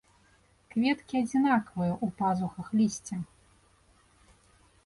Кветкі адзінкавыя ў пазухах лісця.